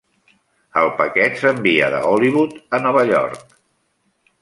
El paquet s'envia de Hollywood a Nova York.